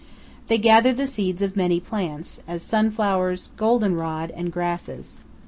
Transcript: They gather the seeds of many plants, as sunflowers, golden rod, and grasses.